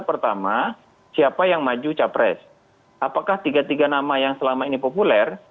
pertama siapa yang maju capres apakah tiga tiga nama yang selama ini populer